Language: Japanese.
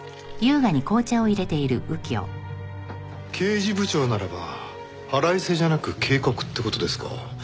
刑事部長ならば腹いせじゃなく警告って事ですか？